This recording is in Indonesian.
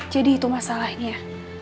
jadi itu masalahnya